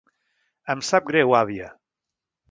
Em sap greu, àvia.